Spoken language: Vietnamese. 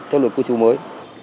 theo luật cư trú mới